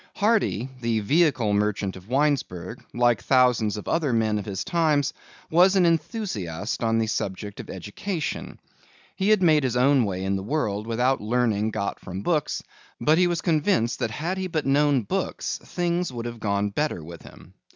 Hardy, the vehicle merchant of Winesburg, like thousands of other men of his times, was an enthusiast on the subject of education. He had made his own way in the world without learning got from books, but he was convinced that had he but known books things would have gone better with him.